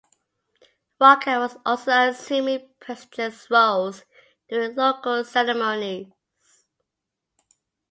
Roca was also assuming prestigious roles during local ceremonies.